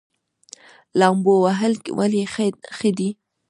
لامبو وهل ولې ښه دي؟